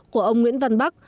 của ông nguyễn văn bắc